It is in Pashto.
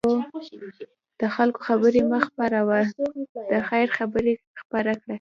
د خلکو خبرې مه خپره وه، د خیر خبرې خپره کړه.